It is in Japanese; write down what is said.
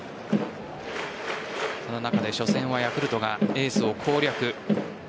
その中で初戦はヤクルトがエースを攻略。